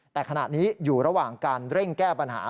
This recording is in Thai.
แต่ขณะนี้อยู่ระหว่างการเร่งแก้ปัญหา